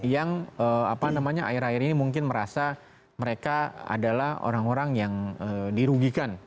yang apa namanya akhir akhir ini mungkin merasa mereka adalah orang orang yang dirugikan